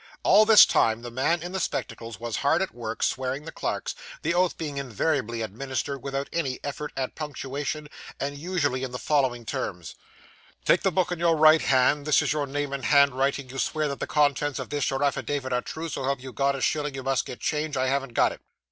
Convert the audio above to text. All this time, the man in the spectacles was hard at work, swearing the clerks; the oath being invariably administered, without any effort at punctuation, and usually in the following terms: 'Take the book in your right hand this is your name and hand writing you swear that the contents of this your affidavit are true so help you God a shilling you must get change I haven't got it.